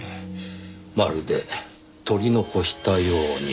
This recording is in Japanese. まるで取り残したように。